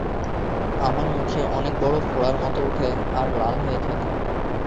আমার মুখে অনেক বড় ফোঁড়ার মত উঠে আর লাল হয়ে থাকে